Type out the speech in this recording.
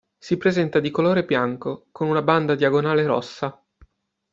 Si presenta di colore bianco, con una banda diagonale rossa.